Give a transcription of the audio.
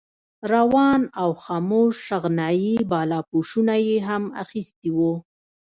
روان او خموش شغناني بالاپوشونه یې هم اخیستي وو.